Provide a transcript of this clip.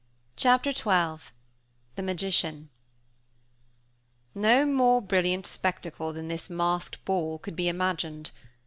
Chapter XII THE MAGICIAN No more brilliant spectacle than this masked ball could be imagined.